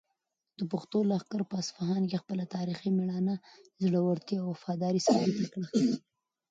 د پښتنو لښکر په اصفهان کې خپله تاریخي مېړانه، زړورتیا او وفاداري ثابته کړه.